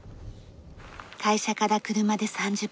会社から車で３０分ほど。